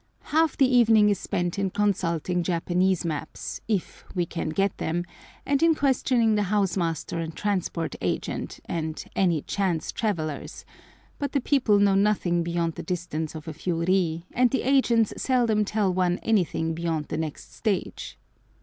Half the evening is spent in consulting Japanese maps, if we can get them, and in questioning the house master and Transport Agent, and any chance travellers; but the people know nothing beyond the distance of a few ri, and the agents seldom tell one anything beyond the next stage.